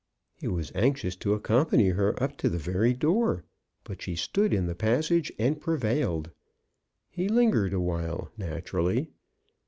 He was anxious to accompany her up to the very door, but she stood in the passage, and prevailed. He lingered awhile — naturally.